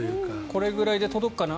これぐらいで届くかな。